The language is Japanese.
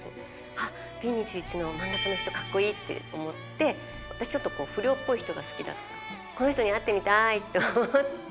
あっ、Ｂ２１の真ん中の人、かっこいいって思って、私ちょっと、不良っぽい人が好きだったので、この人に会ってみたーいと思って。